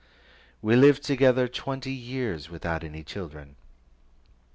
We lived together twenty years, without any children.